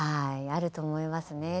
あると思いますね。